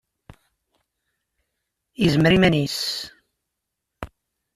Yezmer i yiman-nnes.